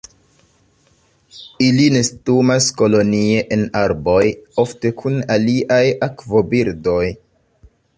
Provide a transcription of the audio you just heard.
Ili nestumas kolonie en arboj, ofte kun aliaj akvobirdoj.